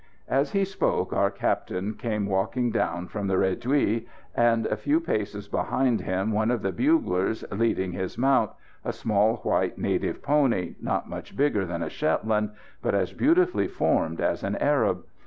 As he spoke our Captain came walking down from the réduit, and a few paces behind him one of the buglers leading his mount, a small white native pony, not much bigger than a Shetland, but as beautifully formed as an Arab.